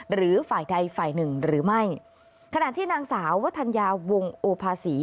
หรือฝ่ายใดฝ่ายหนึ่งหรือไม่ขณะที่นางสาววัฒนยาวงโอภาษี